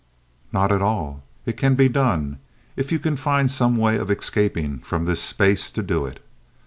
"Not at all. It can be done if you can find some way of escaping from this space to do it.